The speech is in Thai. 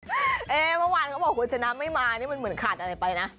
เมื่อวานเขาบอกคุณชนะไม่มานี่มันเหมือนขาดอะไรไปนะ